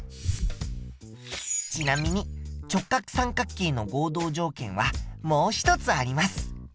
ちなみに直角三角形の合同条件はもう一つあります。